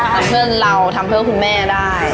เพื่อนเราทำเพื่อคุณแม่ได้